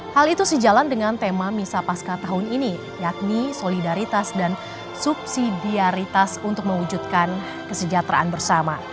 hal itu sejalan dengan tema misa pasca tahun ini yakni solidaritas dan subsidiaritas untuk mewujudkan kesejahteraan bersama